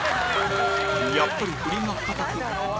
やっぱり振りが硬く×